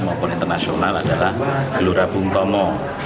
maupun internasional adalah gelora bung tomo